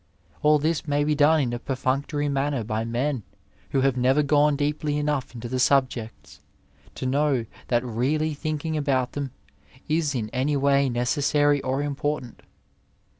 All this may be done in a perfunctory manner by men who have never gone deeply enough into the sub jects to know that really thinking about them is in any way necessary or important.